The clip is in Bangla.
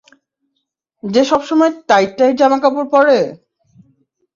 যে সবসময় টাইট টাইট জামাকাপড় পরে?